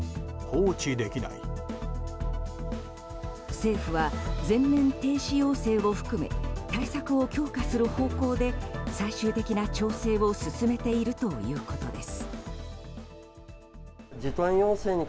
政府は全面停止要請を含め対策を強化する方向で最終的な調整を進めているということです。